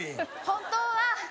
本当は！